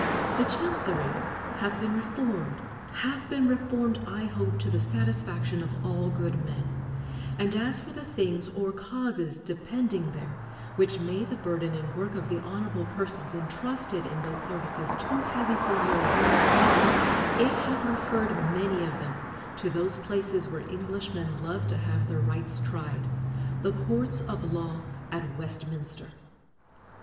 The Chancery hath been reformed — hath been reformed, I hope, to the satisfaction ©f all good men : and as for the things, or causes, depending there, which made the burden and III— 9 129 THE WORLD'S FAMOUS ORATIONS work of the honorable persons entrusted in those services too heavy for their ability, it hath re ferred many of them to those places where Englishmen love to have their rights tried, the courts of law at Westminster.